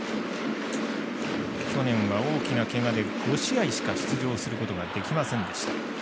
去年は大きなけがで５試合しか出場することができませんでした。